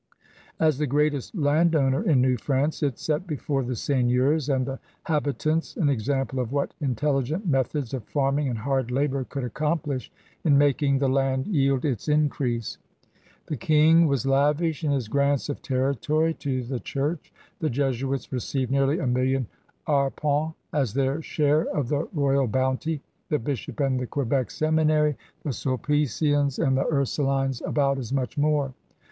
As the greatest landowner in New France, it set before the seigneurs and the habitants an example of what intelligent methods of farming and hard labor could accomplish in making the land yield its increase. The King was lavish in his grants of territory to the Church: the Jesuits received nearly a million arpenis as their share of the royal bounty; the bishop and the Quebec Seminary, the Sulpicians, and the Ursulines, about as much more.